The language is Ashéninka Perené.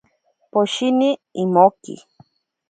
Poshini imoki.